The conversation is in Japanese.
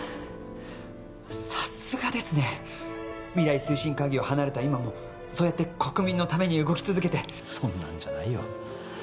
さすがですね未来推進会議を離れた今もそうやって国民のために動き続けてそんなんじゃないよ